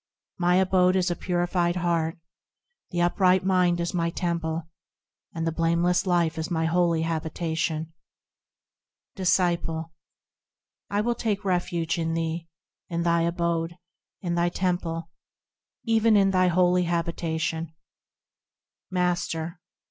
My abode is a purified heart ; The upright mind is my temple ; And the blameless life is my holy habitation. Disciple. I will take refuge in thee ; In thy abode ; In thy temple ; Yea, even in thy holy habitation. Master.